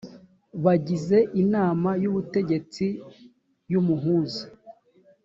bagize inama y ubutegetsi y umuhuza